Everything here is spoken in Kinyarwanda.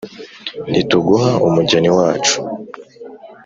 “ntituguha umugeni wacu